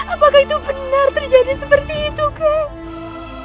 apakah itu benar terjadi seperti itu kang